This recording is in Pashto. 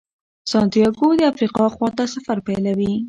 سانتیاګو د افریقا خواته سفر پیلوي.